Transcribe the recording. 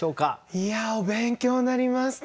いやお勉強になりました。